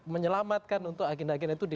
menyelamatkan untuk agenda agenda itu